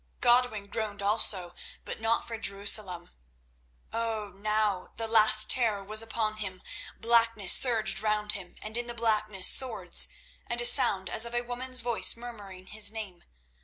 Godwin groaned also, but not for Jerusalem. Oh! now the last terror was upon him. Blackness surged round him, and in the blackness swords, and a sound as of a woman's voice murmuring his name.